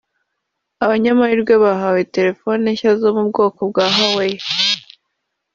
Abanyamahirwe bahawe telefone nshya zo mu bwoko bwa Huawei